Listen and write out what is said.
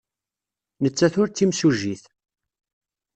Nettat ur d timsujjit.